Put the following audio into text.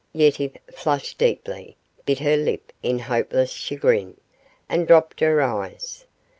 Yetive flushed deeply, bit her lip in hopeless chagrin, and dropped her eyes.